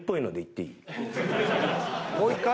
［もう１回？］